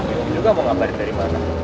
ini juga mau ngapain dari mana